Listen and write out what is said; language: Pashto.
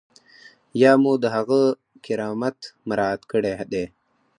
یا مو د هغه کرامت مراعات کړی دی.